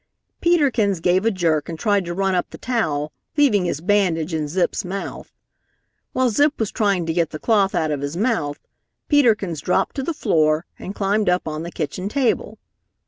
Peter Kins gave a jerk and tried to run up the towel, leaving his bandage in Zip's mouth. While Zip was trying to get the cloth out of his mouth, Peter Kins dropped to the floor and climbed up on the kitchen table.